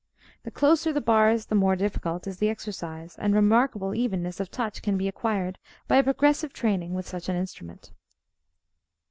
The closer the bars the more difficult is the exercise, and remarkable evenness of touch can be acquired by a progressive training with such an instrument.